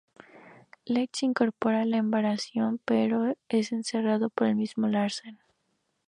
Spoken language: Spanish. Leach se incorpora a la embarcación pero es encerrado por el mismo Larsen.